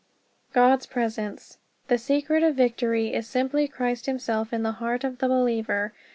=God's Presence= The secret of Victory is simply Christ himself in the heart of the believer.